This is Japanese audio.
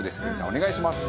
お願いします。